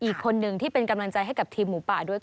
อีกคนนึงที่เป็นกำลังใจให้กับทีมหมูป่าด้วย